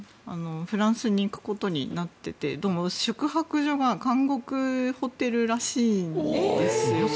フランスに行くことになっていて宿泊所が監獄ホテルらしいんですよ。